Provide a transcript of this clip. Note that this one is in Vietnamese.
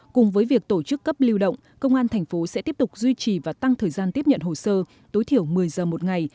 cùng với việc tổ chức cấp lưu động công an thành phố sẽ tiếp tục duy trì và tăng thời gian tiếp nhận hồ sơ tối thiểu một mươi giờ một ngày